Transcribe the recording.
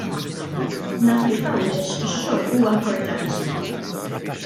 Naf li f'Għawdex ix-xogħol huwa importanti.